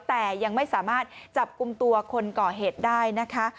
แต่ยังไม่สามารถจับกลุ่มตัวคนก่อเหตุได้นะคะ